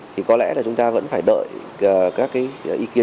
thì có lẽ là chúng ta vẫn phải đợi các cái ý kiến